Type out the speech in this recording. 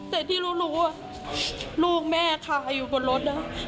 แต่ที่รู้ลูกแม่คาอยู่บนรถนะ